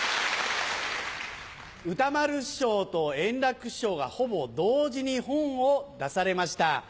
歌丸師匠と円楽師匠がほぼ同時に本を出されました。